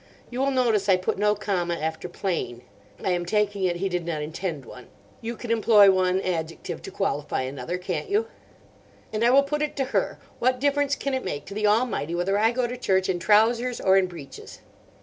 (You will notice I put no comma after 'plain.' I am taking it he did not intend one. You can employ one adjective to qualify another, can't you?) 'And I will put it to her, What difference can it make to the Almighty whether I go to church in trousers or in breeches?